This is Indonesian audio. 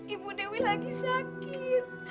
ibu dewi lagi sakit